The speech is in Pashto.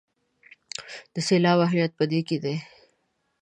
د سېلاب اهمیت په دې کې دی.